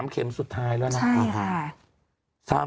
๓เข็มสุดท้ายแล้วนะ